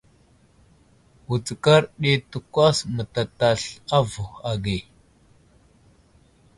Wutskar ɗi təkwas mətatasl avohw age.